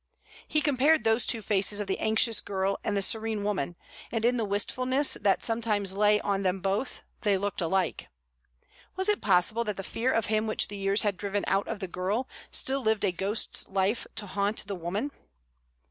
He compared those two faces of the anxious girl and the serene woman, and in the wistfulness that sometimes lay on them both they looked alike. Was it possible that the fear of him which the years had driven out of the girl still lived a ghost's life to haunt the woman?